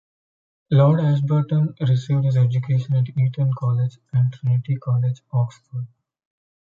Lord Ashburton received his education at Eton College and Trinity College, Oxford.